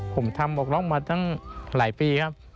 ผมทำออกร้องมาตั้งหลายปีครับ